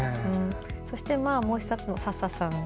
そしてもう１つの佐々さんの。